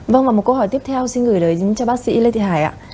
vâng và một câu hỏi tiếp theo xin gửi tới cho bác sĩ lê thị hải ạ